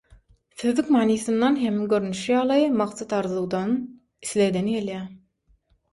Sözlük manysyndan hem görnüşi ýaly maksat arzuwdan, islegden gelýär.